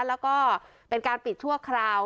แล้วก็เป็นการปิดชั่วคราว